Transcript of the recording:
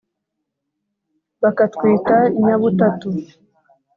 bakatwita inyabutatu